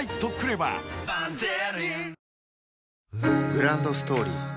グランドストーリー